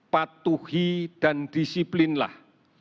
patuhi dan disiplinlah